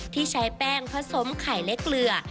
ที่ใช้แป้งผสมไข่และเกลือ